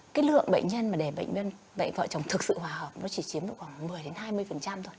cái lượng bệnh nhân mà để bệnh dạy vợ chồng thực sự hòa hợp nó chỉ chiếm được khoảng một mươi hai mươi thôi